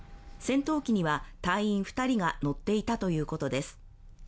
戦闘機には隊員２人が乗っていたということです。